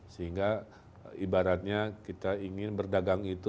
sehingga ibaratnya kita ingin berdagang itu